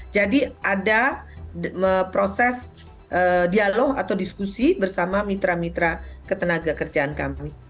jadi ada proses dialog atau diskusi bersama mitra mitra ketenaga kerjaan kami